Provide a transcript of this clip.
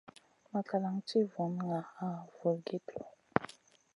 Makalan ti vunan ŋaʼa vulgit lõ.